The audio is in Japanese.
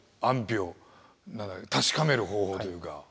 安否を確かめる方法というか。